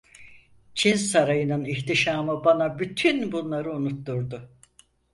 Çin sarayının ihtişamı bana bütün bunları unutturdu?